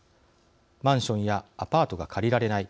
マンションやアパートが借りられない。